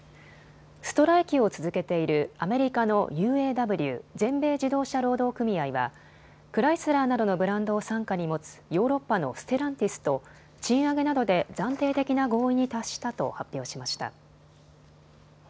ストライキを続けているアメリカのＵＡＷ・全米自動車労働組合はクライスラーなどのブランドを傘下に持つヨーロッパのステランティスと賃上げなどで暫定的な合意に達したと発表しました。